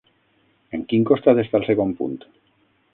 En quin costat està el segon punt?